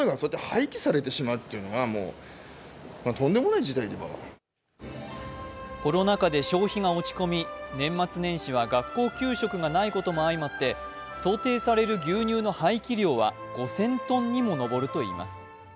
その理由はやはりコロナ禍で消費が落ち込み年末年始は学校給食がないことも相まって想定される牛乳の排気量は５０００ｔにも上るといいます。